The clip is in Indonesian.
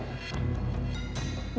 buat apa aku mempercayainu